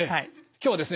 今日はですね